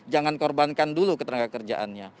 jangan korbankan dulu ketenaga kerjaannya